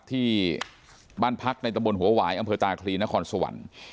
ที่บ้านพักในตะบนหัวหวายอำเภอตาคลีนครสวรรค์